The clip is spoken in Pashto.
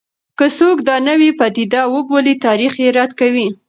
که څوک دا نوې پدیده وبولي، تاریخ یې رد کوي.